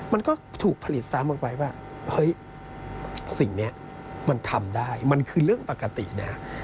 มันก็ถูกผลิตซ้ำออกไปว่าเฮ้ยสิ่งนี้มันทำได้มันคือเรื่องปกตินะฮะ